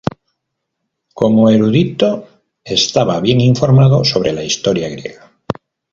Como erudito, estaba bien informado sobre la historia griega.